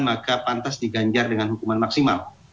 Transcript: maka pantas diganjar dengan hukuman maksimal